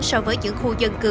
so với những khu dân cư